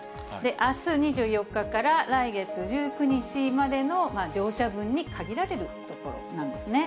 あす２４日から来月１９日までの乗車分に限られるところなんですね。